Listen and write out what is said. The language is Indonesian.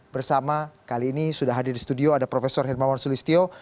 bersama kali ini sudah hadir di studio ada prof hermawan sulistyo